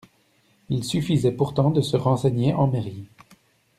Il suffisait pourtant de se renseigner en mairie.